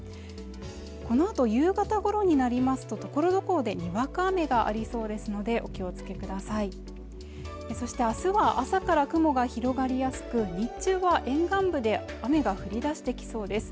このあと夕方ごろになりますとところどころでにわか雨がありそうですのでお気をつけくださいそして明日は朝から雲が広がりやすく日中は沿岸部で雨が降り出してきそうです